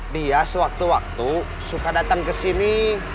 dia sewaktu waktu suka datang kesini